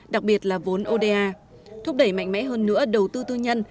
đặc biệt là vốn oda thúc đẩy mạnh mẽ hơn nữa đầu tư tư nhân